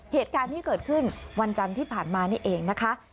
เหตุการณ์ที่เกิดขึ้นวันจันทร์ที่ผ่านมานี่เองนะคะ